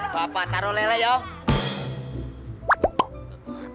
bapak taruh lele yuk